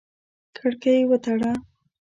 کړکۍ وتړه!